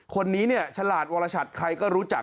คนนี้ชลาดวรชัดใครก็รู้จัก